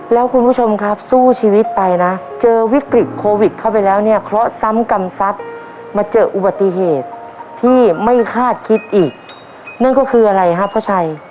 แล้วคุณผู้ชมครับสู้ชีวิตไปนะเจอวิกฤตโควิดเข้าไปแล้วเนี่ยเคราะห์ซ้ำกรรมทรัพย์มาเจออุบัติเหตุที่ไม่คาดคิดอีกนั่นก็คืออะไรครับพ่อชัย